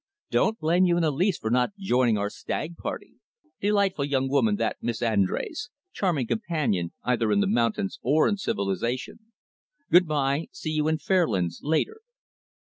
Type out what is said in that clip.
Don't blame you in the least for not joining our stag party. Delightful young woman, that Miss Andrés. Charming companion either in the mountains or in civilization Good by see you in Fairlands, later."